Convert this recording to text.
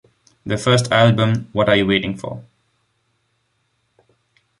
Their first album What Are You Waiting For?